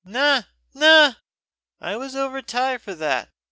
"Na, na! I was o'er tiret for that.